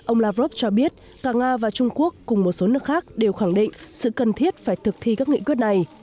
ông lavrov cho biết cả nga và trung quốc cùng một số nước khác đều khẳng định sự cần thiết phải thực thi các nghị quyết này